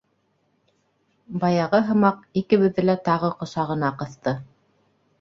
Баяғы һымаҡ, икебеҙҙе лә тағы ҡосағына ҡыҫты.